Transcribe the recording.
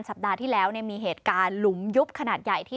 สัปดาห์ที่แล้วมีเหตุการณ์หลุมยุบขนาดใหญ่ที่